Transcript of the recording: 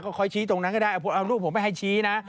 คอยชี้ตรงนั้นก็ได้เอารูปผมไปให้ชี้นะ